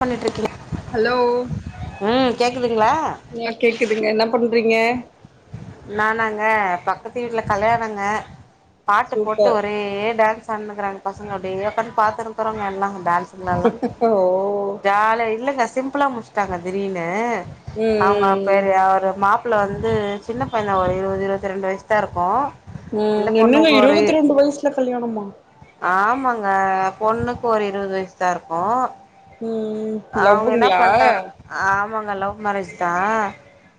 பண்ணுட்ருக்கில hello ம் கேக்குதுங்ளா ன்யா கேக்குதுங்க என்ன பண்றீங்க நானாங்க பக்கத்து வீட்ல கல்யாணங்க பாட்டு போட்டு சூப்பர் ஒரே டான்ஸ் ஆன்னுக்குறாங்க பசங்க அப்டியே ஒக்காந்து பாத்துன்னுக்குறோங்க எல்லா டான்ஸ் உள்ளலா ஓ ஜால இல்லங்க சிம்புளா முட்ஸ்ட்டாங்க திடீனு அவ்ங்க ம் ம் பேரு அவரு மாப் குள்ள வந்து சின்ன பையந்தா ஒரு இருவது இருவத்தி ரெண்டு வயசுதா இருக்கு இந்த ம் என்னங்க பொண்ணுக்கு ஒரு இருவத்தி ரெண்டு வயசுல கல்யாணமா ஆமாங்க பொண்ணுக்கு ஒரு இருவது வயசுதா இருக்கு ம், அவங்க என்ன லவ்வுங்களா பண்ட்டாங் ஆமாங்க லவ் மேரேஜ்தா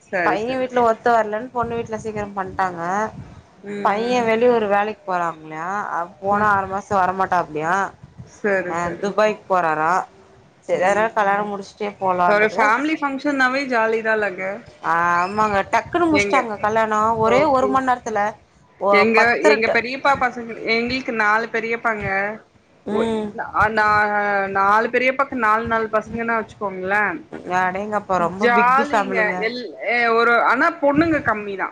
சரி பைய சரி வீட்ல ஒத்து வரலன்னு பொண்ணு வீட்ல சீக்கிரம் பண்ட்டாங்க ம் பைய ம் வெளியூரு வேலைக்கு போறாப்லயா ஆ போனா ஆறு மாசோ வரமாட்டாப்லயா சரி அ சரி துபாய்க்கு போறாரா சேரி, ம் அதனால கல்யாண முடிச்சுட்டே ஒரு போலாண்ட்றதுகாவ ஃபேமிலி ஃபங்க்ஷன்னாவே ஜாலிதாலங்க ஆமாங்க டக்குன்னு எங்க முடிச்ட்டாங்க கல்யாணோ ஒரே ஒரு ஓகே மண்நேரத்துல, ஓ பத்தர டூ ப்பா பசங்க எங்களுக்கு நாலு பெரியப்பாங்க, ஒ ம் நா நா நாலு பெரியப்பாக்கு நாலு நாலு பசங்கன்னா வச்சுக்கோங்கள அடேங்கப்பா ரொம்ப பிக்கு ஜாலிங்க ஃபேமிலிங்க எல் ஏ ஒரு ஆனா பொண்ணுங்க கம்மிதா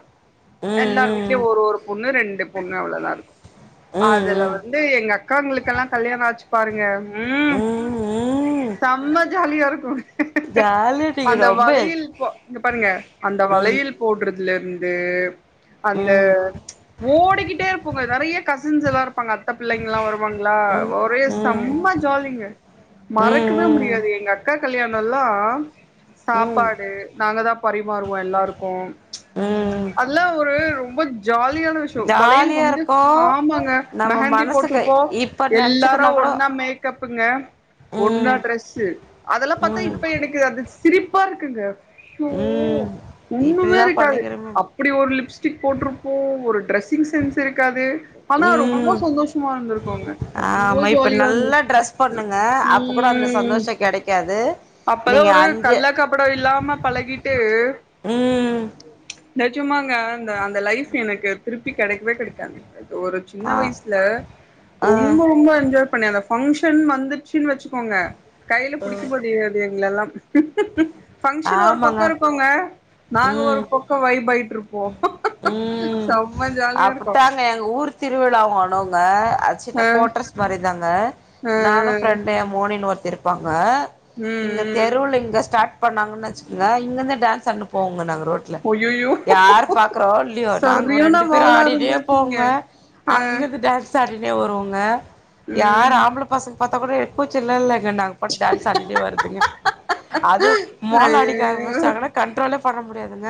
ம் எல்லாரு ம் வீட்லயு ஒரு ஒரு ஒன்னு ரெண்டு பொண்ணு அவ்ளோதா இருக்கு ம் அதுல ம் வந்து எங்க அக்காங்களுக்கெல்லா கல்யாணம் ஆச்சு பாருங்க, ம் ம் ம் செம ஜாலியா இருக்கு ஜாலியா நீங்க அந்த ரொம்ப என்ஜ் வளையல் போ இங்க பாருங்க அந்த ம் வளையல் போடுறதுல இருந்து அந்த ம் ஓடிக்கிட்டே இருப்போங்க நறைய கஸ் ஸின்ஸ் எல்லா இருப்பாங்க அத்த பிள்ளைங்கல்லா வருவாங்களா ம் ஒரே ம் செம ஜாலிங்க மறக்கவே ம் முடியாது எங்க அக்கா கல்யாணோல்லா ம் சாப்பாடு நாங்கதா பரிமாறுவோ எல்லாரு க்கு ம் அதெல்லா ஒரு ரொம்ப ஜாலியான வி ஷ்யோ வளையல் ஜாலியா வந்து இருக்கு ஆமாங்க நம்ம மெஹந்தி மனசுக்கு போட்டுபோ இப்ப எல்லாரு நெனச்சுக்குன்னா கூட ஒன்னா மே க்கப்புங்க ஒன்னா ம் டிரெஸ் அதெல்லா பாத்தா ம் இப்ப எனக் கு அது சிரிப்பா இருக்குங்க அய்யோ ம் ஒண்ணுமே இப்டிலா இருக்காது பண்ணிக்கிறோமே அப் படி ஒரு லிப்ஸ்டிக் போட்டுருப்போ ஒரு ட்ரெஸ்ஸிங் சென்ஸ் இருக்காது ஆனா ரொம்ப ம் சந்தோஷமா இருந்துருக்கோங்க அவ்ளோ ஆமா இப்ப ஜாலியா இருந்து நல்லா ட்ரெஸ் பண்ணுங்க அப்ப கூட அந்த சந்தோஷ கெடைக்காது அப்பல்ல நீங்க ஒரு அஞ்சு கள்ள கபடோ இல்லாம பழகிட்டு ம் நெஜமாங்க அந்த அந்த லைப் எனக்கு திருப்பி கெடைக்கவே கெடைக்காது ஒரு சின்ன ஆ வயசுல ரொம்ப ஆ ரொம்ப என்ஜாய் பண்ண அந்த ஃபங்க்ஷன் வந்துச்சுன்னு வச்சுக்கோங்க கையில புடிக்க முடியா து எங்கலல்லா ஃபங்ஷன் ஒரு பக்கோ ஆமாங்க இருக்குங்க நாங்க ம் ஒரு பக் கோ வைப் ஆயிட்டு இருப்போ ம் இருக்கு அப்டித்தாங்க எங்க ஊர் திருவிழா வருங்கா அது சின்ன அ கோட்டர்ஸ் மாரிதாங்க அ நானு ப்ரெண்டும் எ மோனின்னு ஒருத்தி இருப்பாங்க இங்க ம் ம் தெருவுல இங்க ஸ்டார்ட் பண்ணாங்கன்னு வச்சுகோங்க இங்கருந்தே டான்ஸ் அடிட்டு போவங்க நாங்க ரோ ட்ல அய்யய்யோ யாரு பாக் க்றோ இல்லியோ நாங்க ஒரு சரியான ரெண்டு பேரு வாலா ஆடிட்டே இருந்திருக்கீங்க போவோங்க அங்கருந்து ட டான்ஸ் ஸ் ஆடினே வருவோங்க யார் ம் ஆம்பள பசங்க பாத்தா கூட எனக் கூச்சம்லா இல்லங்க நாங்க பாட்டுக் டான்ஸ் ஆடிட்டே வருதுங்க அதுவு மோள அடிக்க ஐயய்யோ ஆரம்பிச்சிட்டாகனா கண்ட்ரோலே பண்ண முடியாதுங்க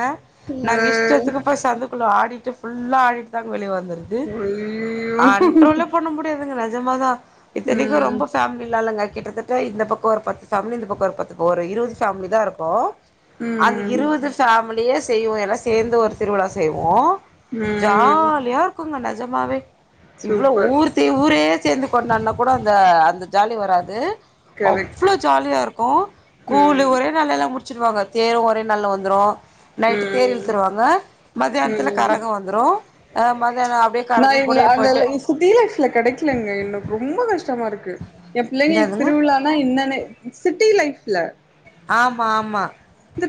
நாங்க அ இஷ்டத்துக்கு அப்ப சந்துக்குள்ள ஆடிட்டு ஃபுல்லா ஆடிட்டுதாங்க வெளியே வந்துட்ற து அய்யய்யோ அண்ட்ரோலே பண்ண முடியாதுங்க நெஜமாதா இத்தனைக்கு ரொம்ப ம் பேமிலில இல்லங்க கிட்டத்தட் இதோ இந்த பக்கொ ஒரு பத்து ஃபேமிலி இந்த பக்கொ ஒரு பத்து ஒரு இருவது ஃபேமிலிதா இருக்கு அந்த ம் இருவது ஃபேமிலியா செய்வோ எல்லாரு சேர்ந்து ஒரு திருவிழா செய்வோ ம் ஜாலியா இருக் குங்க நெஜமாவே இவ்ளோ சூப்பர் ஊரு தே ஊரே சேர்ந்து கொண்டாடுன்னா கூட அந்த அந்த ஜாலி வராது கரெக்ட்டு அவ்ளோ ஜாலியா இருக்கு கூலு ம் ஒரே நாள்ளேல்லா முடிச் சுருவாங்க தேர் ஒரே நாள்ல வந்துரு நைட்டு தேர் ம் இழுத்துருவாங்க மதியானத்துல ம் கரகோ வந்துரு அ மதியானோ அப்டியே நா கரகோ இல்ல கூடயே அந்த போயி்ட்டு சிட்டி லைஃப்ல கெடைக்கலங்க எனக்கு ரொம்பொ கஷ்டமா இருக்கு எம் பிள்ளைங்களுக்கு இந்ததுங்க திருவிழா னா என்னன்னே சிட்டி லைஃப்ல ஆமா ஆமா இந்த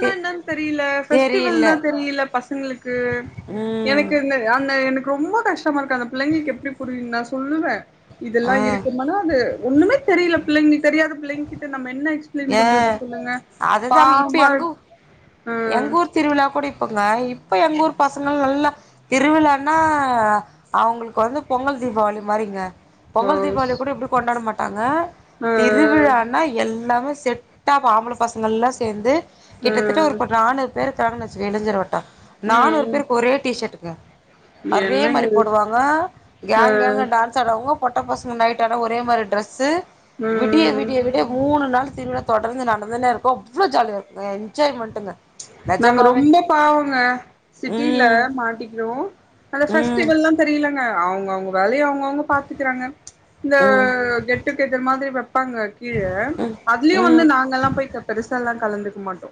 தே என்னன்னு தெரியல தேரு இல்ல ஃபெஸ்டிவல்னா தெரியல பசங்களுக்கு ம் எனக்கு இந்த அந்த எனக்கு ரொம்ப கஷ்டமாருக்கு அந்த புள்ளைங்களுக்கு எப்டி புரியு நா சொல்லுவே இதெல்லா ஆ இருக்குமானா அது ஒன்னுமே தெரியல பிள்ளைங்களுக் தெரியாத பிள்ளைங்க கிட்ட நம்ம என்ன எக்ஸ் ப்ளைன் ஏ பண்றது சொல்லுங்க அதுதாங்க இப்ப பாவமா எங்கூ ஆ எங்கூர் திருவிழா கூட இப்போங்க இப்ப எங்கூர் பசங்கள் நல்லா திருவிழானா அவங்களுக்கு வந்து பொங்கல் தீபாவளி மாரிங்க பொங்கல் ரோஸ் தீபாவளி கூட இப்டி கொண்டாட மாட்டாங்க ஆ திருவிழா னா எல்லாமே செட்டா ப ஆம்பள பசங்க எல்லா சேந்து ஆ கிட்டத்தட்ட ஒரு நானூறு பேரு க்குறாங்கனு வச்சுக்கோயே இளைஞர் வட்டோ நானூறு ம் பேருக்கு ஒரே டிஷர்ட்டுங்க ஒரே என்னங்க மாரி இது போடுவாங்க ஆ கேங் கேங்கா டான் ஸாடுவாங்க பொட்ட பசங்க நைட்டான ஒர மாரி ட்ரெஸ் விடிய ம் விடிய விடிய மூணு நாள் திருவிழா தொடர்ந்து நடந்துனே இருக்கு அவ்ளோ ஜாலிய இருக்கு என்ஜாய்மெண்ட்டுங்க நாங்க நெஜமாவே ரொம்பொ பாவங்க சிட்டில ம் மாட்டிக்கிடுவோ அந்த ம் ஃபஸ்டிவலா தெரியலங்க அவங்கவ்ங்க வேலைய அவ்ங்கவ்ங்க பாத்துக்கறாங்க இந்த ம் ம் கெட் டுக்கேத்த மாதிரி வப்பாங்க கீழ அதுலையு வந்து ம் நாங்கல்லா போய் க பெருசால்லா கலந்துக்க மாட்டோ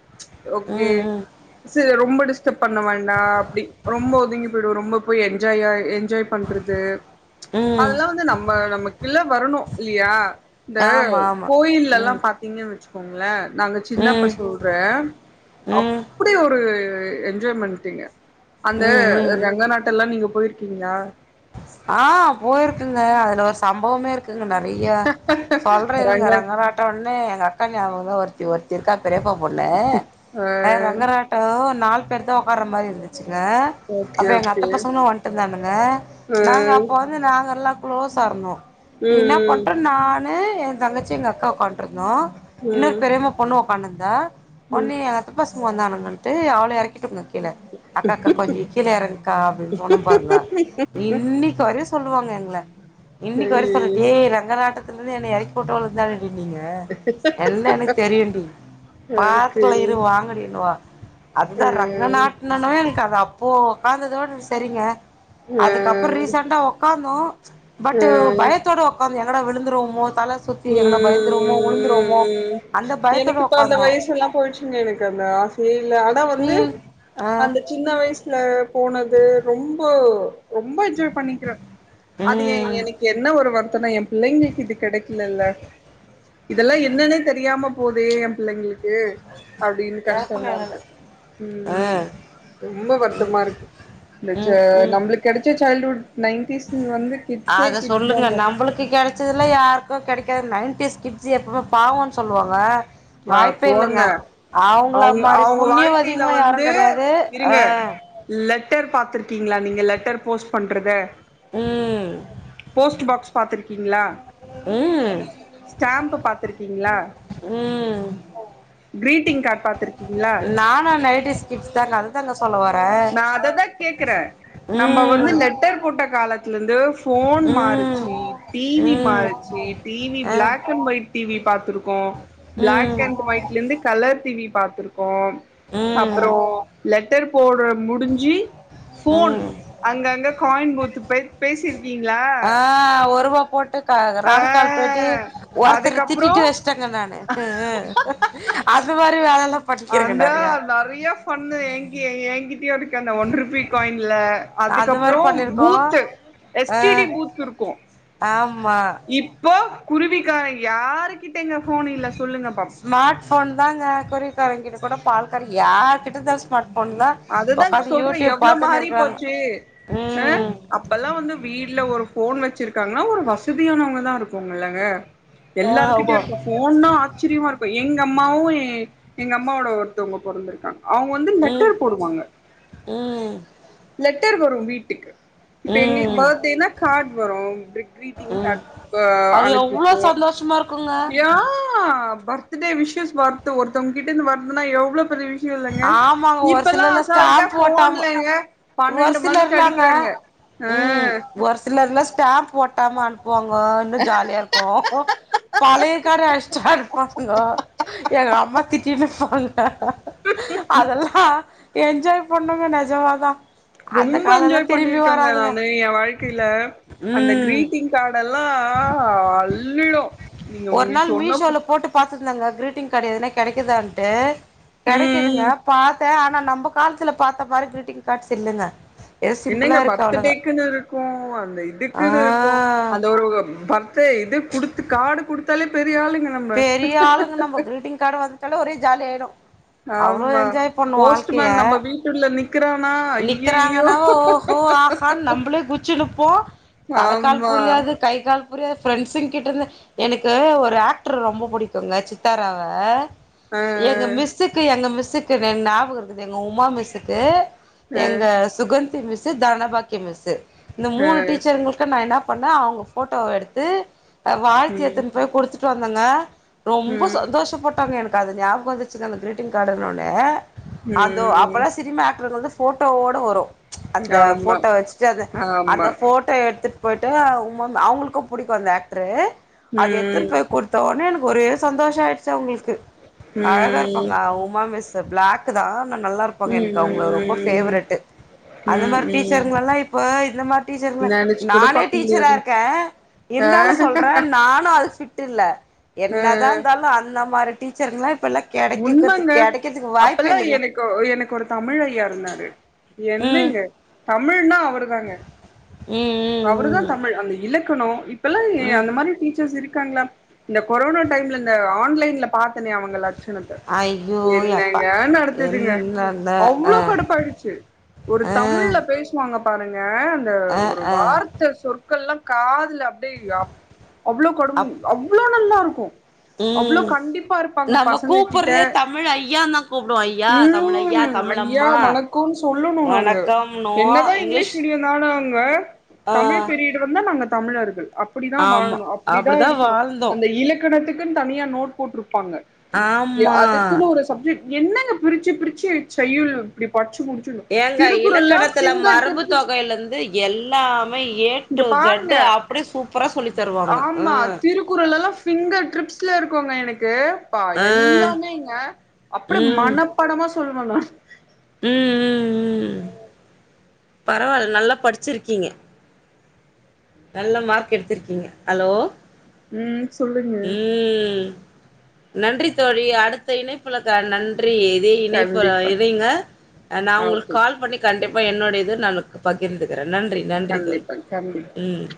ம் கே ம் சரி ரொம்ப டிஸ் ஸ்டர்ப் பண்ண வேண்டா அப்டி ரொம்ப ஒதுங்கி போயிடுவோ ரொம்ப போய் எஞ்ஜாயா எஞ்ஜாய் பண்றது ம் அதெல்லா வந்து நம்ம நமக்குள்ள வரணு இல்லியா இந்த ஆமா ஆமா கோயில்லெல்லா ம் பாத்தீங்கன் வச்சுக்கோங்கள நாங்க சின்னப்ப ம் சொல்ற ம் அப்டி ஒரு எஞ்ஜாய்மன்ட்ங்க அந்த ம் ம் ரங்க நாட்டலா நீங்க போயிரு க்கீங்ளா ஆ போய்ருக்குங்க அதுல ஒரு சம்பவமே இருக்குங்க நெறைய சொல்ற இருங்க ரங்க ரங்கராட் டொனே எங்க அக்கா நியாபகம்தா ஒருத்தி ஒருத்தி இருக்கா பெரியப்பா பொண்ணு ஆ அ ரங்கராட் டுனோ நாலு பேர்தா உட்கார மாரி இருந்துச்சுங்க ஓகே அப்ற எங்க அத்த ஓகே பசங்களு வந்துட்டுருந்தானுங்க ஆ நாங்க அப்ப வந்து நாங்கல்லா க்ளோஷா இருந்தோ இன்னா ம் பண்ட்டோ நா னு எ தங்கச்சி எங்க அக்கா உக்காண்டுருந்தோ இன்னொரு ம் பெரிமா பொண்ணு உக்காந்துருந்தா ம் ம் ஒன்னு எ அத்த பசங்க வந்தானுங்கனுட்டு அவள எறக்கிட்டுருந்த கில்ல அக்கா அக்கா கொஞ்சொ கீழ எறங்குக்கா அப்டின் சொன்னம் பாருங்க இன்னிக்கு வரையு சொல்லுவாங்க எங்கள இன்னிக்கு வரையு சொல்லிட்டே ஏ ரங்க ராட் டுனத்துல இருந்து என்ன எறக்கி விட்டவளுகதானடி நீங்க எல்லா எனக்கு தெரியுன்டி ஓகே பாத்துக்குலா இரு வாங்கடினுவா ஆ அதுதா ரங்கநா ட்னன்னாவே எனக்கு அது அப்போ உக்காந்ததோடே சரிங்க ஆ ஆ அதுக்கப்பறோ ரீசண்டா உக்காந்தோ பட் ம் ம் பயத்தோட உக்காந்தோ எங்கடா விழுந்துருவோ தல சுத்தி எங்கனா பயந்துருவோமோ உழுந்துருவோமோ ம் அந்த பயத்தோட ஒக்காந்தோம் எல்லாம் போயிடுச்சுங்க எனக்கு அந்த ஆசயே இல்ல ஆனா வந்து ம் ஆ அந் சின்ன வயசுல போனது ரொம்போ ரொம்ப என்ஜாய்ப் பண்ணிக்கிற அது ஏன் ம் எனக்கு என்ன ஒரு வருத்தனா என் பிள்ளைங்களுக்கு இது கெடைக் இல்லல்ல இதல்லா என்னன்னே தெரியாம போதே ஏன் பிள்ளைங்களுக்கு அப்டின்னு எனக்கு கஷ்டமா நெழலு இருக்கு ம் ரொம்ப வருத்தமா இருக்கு இந்த சை ம் ம் நம்ளுக்கு கெடைச்ச சைல்டுவுட் நைன் டீஸ் கிட்ஸ் வந்து கிட்ஸே அத சொல்லுங்க கிட்ஸ்தாங்க நம்பளுக்கு கெட ச்சதுலா யாருக்கும் கெடைக்காது நைன்டீஸ் கிட்ஸ் எப்வுமே பாவன்னு சொல்லுவாங்க ஆ வாய்ப்பே இல்லங்க போங்க அவங்கள அவுங்க மாரி அவுங்க வாழ்க்கையில புண்ணியவதிங்களு யாரும் வந்து கெடையாது இருங்க அஹ் லெட்டர் பாத்துருக்கீங்களா நீங்க லெட்டர் போஸ்ட் பண்றத ம் போஸ்ட் பாக்ஸ் பாத்துருக்கீங்களா ம் ஸ்டாம்ப் பாத்துருக்கீங்களா ம் கிரீட்டிங் கார்டு பாத்துருக்கீங்களா நானு நைன்டிஸ் கிட்ஸ்தா நல் நா அத தா கேக்குறன் நம்ப வந்து ம் லெட்டர் போட்ட காலத்துலுந்து போன் மார் ம் ச்சு டிவி ம் மாறுச்சு டிவி அ ப்ளேக் அண்ட் ஒயிட் டிவி பாத்துருக்கோம் ப்ளேக் ம் அண்ட் ஒயிட்ல இருந்து கலர் டிவி பாத்துருக்கோம் ம் அப்றோ லெட்டர் போடுற முடிஞ்சு போன் ம் அங்க அங்க காயின் பூத்து பே பேசி க்கீங்களா ஆ ஒருவா போட்டு கா ஆ ராங் கால் போய்ட்டு ஒருத்தர் அதுக்கப்புறோ திட்டிட்டு வெச் சங்க நானு ம் ம் அது மாரி வேலலாம் அந்தோ நெறைய ஃபண்ணு ஏங்கி ஏங்கிட்டயும் இருக்கு அந்த ஒன் ருப்பி காயின்ல அந்த மாரி அதுக்கப்பறோ பண்ணிருக்கோ பூத்து எஸ் ஆ டி டீ பூத்து இருக்கும் ஆமா இப்போ குருவிக்கார யாருகிட்டங்க போன் இல்ல சொல்லுங்க பாப்போ ஸ்மார்ட் ஃபோன்தாங்க குருவிக்காரங்கிட்ட கூட பால்கார யார்கிட்டதா ஸ்மார்ட் போன்ல அதுதா ஒக்காந்து சொல்றே யூட்யூப் எவ்ளோ பாத்துனு மாறி இருக்குறாங்க போச்சு ஆ ம் அப்பல்லா வந்து வீடுல ஒரு போன் வச்சிருக்காங்கனா ஒரு வசதியானவங்கதா இருக்குலங்க ஆ எல்லாருக்கிட்டயு ஆமா இருக்கும் போன்னா ஆச்சிரியமா இருக்கும் எங்க அம்மாவும் ஏன் எங்க அம்மாவோட ஒருத்தவங்க பொறந்துருக்காங்க அவுங்க வந்து ம் லெட்டர் போடுவாங்க ம் லெட்டர் வரும் வீட்டுக்கு இப்ப எங்ளுக்கு ம் பர்த்டேனா கார்டு வரும் ப் க்ரீட்டிங் ம் கார்டு அது எவ்ளோ சந்தோஷமா இருக்குங்க ஆமா பர்த்டே விஷ்ஷஷ் வரது ஒருத்தவங்க கிட்ட வருதுன்னா எவ்ளோ பெரிய விஷயம் இல்லங்க மாங்க ஒரு இப்பல்லா சிலர் அசால்ட்டா ஸ்டாம்ப் ஓட்டாம போன்லங்க ஒரு பன்னெண்டு மணிக்கு சிலர்லாங்க அடிக்கிறாங்க ஆ ம் ஒரு சிலர்லா ஸ்டாம்ப் ஓட்டாம அனுப்புவாங்க இன்னும் ஜாலியா இருக்கும் பழையக்கார ஆஷ்டா இருப்பாங்க எங்க அம்மா திட்டீன்னுப்பங்க அதெல்லாம் என்ஜாய் பண்ணோங்க நெஜமாதான் ரொம்ப என்ஜாய் பண்ணிருக்கங்கா நானு என் வாழ்க்கையில அந்த ம் கிரீட்டிங் கார்ட்யெல்லாம் அள்ளிடும் ஒரு நாள் மீஷோல போட்டுப் பாத்துருந்தங்க கிரீட்டிங் கார்டு எதுன கெடைக்குதான்ட்டு ம் கெடைக்குதுங்க ம் பாத்தேன் ஆனா நம்ப காலத்துல பாத்த மாறி க்ரீட்டிங் கார்ட்ஸ் இல்லங்க ஏதோ சிம்பிளா என்னங்க இருக்கு அவ்ளோதா பர்த்டேக்குன்னு இருக்கு அந்த ஆ இதுக்குன்னு இருக்கு அந்த ஒரு பர்த் து குடுத்து கார்டு குடுத்தாலே பெரிய ஆளுங்க நம்ம பெரிய ஆளுங்க நம்மோ கிரீட்டிங் கார்டு வந்துட்டாலே ஒரே ஜாலி ஆயிரு அவ்ளோ ஆமா என்ஜாய் பண்ணோ வாழ்க்கைய போஸ்ட்மேன் நம்ம வீட்டுள்ள நிக்கிறானா ஐயையோ நிக்கறாங்கனா ஓஹோ ஆ ஹானு நம்பளே குதிச்சினுப்போ தலக்கால் ஆமா புரியாது கை கால் புரியாது பிரெண்ட்ஸ்ங்க கிட்டந்து எனக்கு ஒரு ஆ க்டர ரொம்ப புடிக்குங்க சித்தாராவ ம் எங்க மிஸ்க்கு எங்க மிஸ்க்கு என் ஞாபகம் இருக்குது எங்க உமா மிஸ்க்கு ஆ எங்க சுகந்தி மிஸ்சு தானபக்கியோ மிஸ்சு இந்த மூணு ஆ டீச்சர்கங்ளுக்கு நா என்ன பண்ண அவுங்க போட்டோ எடுத்து வாழ்த்தி ம் எடுத்துன்னு போய் குடுத்துட்டு வந்தங்க ரொம்போ ம் சந்தோஷப்பட்டாங்க எனக்கு அது ஞாபகம் வந்துச்சுங்க அந்த க்ரீட்டிங் கார்டுன்னொன்னே அதோ ம் அப்பெல்லா சினிமா ஆக்டர்ங்கள்து போட்டோவோட வரு அந்த ஆமா போட்டோ வெச்சுட்டு அது அந்த ஆமா போட்டோ எடுத்துட்டு போயிட்டு உமா மேம் அவுங்களுக்கும் புடிக்கு அந்த ஆக்டரு அது எடுத்துன் ம் போய் குடுத்த ஒன்னே எனக்கு ஒரே சந்தோஷோ ஆயிடுச்சு அவுங்களுக்கு அழகா ம் இருப்பாங்க உமா மிஸ் இந்த பிளாக்குதா ஆனா நல்லா இருப்பாங்க ம் எனக்கு அவுங்கள ரொம்ப ம் ஃபேவரிட்டு அது ம் மாரி ம் டீச்சர்கங்ள் எல்லா இப்ப இந்த மாரி டீச்சர்கள் நெனச்சு கூட நானே பாக்க டீச்சரா முடியாது இருக்கேன் ஆ இருந்தாலு சொல்ற நானு அது ஃபிட் ல்ல ஆ என்னதா இருந்தாலு அந்த மாரி டீச்சர்ங்கள்ளா உண்மங்க அப்பெல்லா இல்லைங்க எனக்கு எனக்கு ஒரு தமிழ் ஐயா இருந்தாரு ம் என்னங்க தமிழ்னா அவரு தாங்க ம் ம் அவருதான் தமிழ் அந்த இலக்கணோ இப்பெல்லா ம் ம் அந்த மாரி டீச்சர்ஸ் இருக்காங்ளா இந்த கொரோனா டைம்ல இந்த ஆன்லைன்ல பாத்தனே அவுங்கள லட்சணத்த ஐயோ யப்பா என்னங்க நடத்துதுங்க என்னந்த அ அவ்ளோ கடுப்பாயிடுச்சு ஒரு அ தமிழ்ல பே சுவாங்க பாருங்க அந்த அ ஒரு அ வார்த்த சொற்கள் எல்லா காதுல டி யா அவ்ளோ கடு அப் அவ்ளோ நல்லா இருக்கு அவ்ளோ ம் கண்டிப்பா இருப்பாங்க நம்ம பசங்க கிட்ட கூப்புட்றதே தமிழ் ஐயான்தா கூப்டுவோ ஐயா தமிழ் ஐயா ம் ஐயா தமிழம்மா வண க்கோனு சொல்லணு நாங்க என்னதா இங்கிலீஷ் மீடி நானாங்க ஆ தமிழ் பீரீயர்டு வந்தா நாங்க தமிழர்கள் அ அப்டிதா ஆமா வாழ்ணு அப்டிதா இருக்கணு வாழ்ந்தோ அந்த இலக்கணத்துக்குன்னு தனியா நோட் போட்டிருப்பாங்க ஆமா அதுக்குன்னு ஒரு சப்ஜெக்ட் என்னங்க பிரிச்சு பிரிச்சு செய்யுள் இப்படி படிச்சு மு ஏங்க இலக்கணத்துல மரபு டிப்ஸ் தொகைலந்து எல்லாமே ஏ இங்க டூ பாருங்க செட் அ அப்டி சூப்பரா சொல்லித் தருவாங்க ஆ குறலெல்லா ஃபிங்கர் ட்ரிப்ஸ்ல இருக்குங்க எனக்கு ப்பா ஆ எல்லாமேங்க அப்றோ ம் மனப்படமா சொல்லுவன் நா ம் ம் ம் பரவால்ல நல்லா படிச்சிருக்கீங்க நல்ல மார்க் எடுத்திருக்கீங்க ஹலோ ம் சொல்லுங்க ம் நன்றி தோழி அடுத்த இணைப்புல கண் நன் றி இதே இணைப்புல கண்டிப்பா இருங்க நா உங்ளுக்கு ஓகே கால் பண்ணி கண்டிப்பா என்னோட இது நானு பகிர்ந்துக்கிற நன்றி நன்றி தோழி கண்டிப்பாங் கண்டி ம்